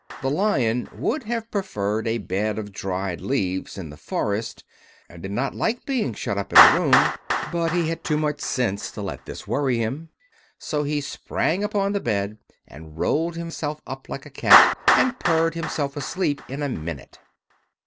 The Lion would have preferred a bed of dried leaves in the forest, and did not like being shut up in a room; but he had too much sense to let this worry him, so he sprang upon the bed and rolled himself up like a cat and purred himself asleep in a minute.